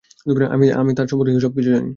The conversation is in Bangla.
আমি তার সম্পর্কে সবকিছু জানি।